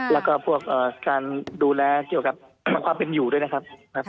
แล้วก็พวกการดูแลเกี่ยวกับความเป็นอยู่ด้วยนะครับ